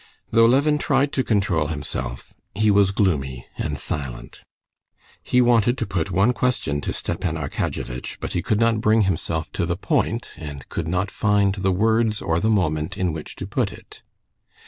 Though Levin tried to control himself, he was gloomy and silent. He wanted to put one question to Stepan Arkadyevitch, but he could not bring himself to the point, and could not find the words or the moment in which to put it.